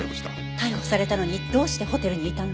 逮捕されたのにどうしてホテルにいたの？